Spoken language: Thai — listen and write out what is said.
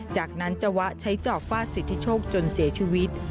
จากนั้นจวะใช้จอบฟาดสิทธิโชคจนเสียชีวิต